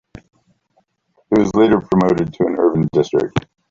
It was later promoted to an urban district.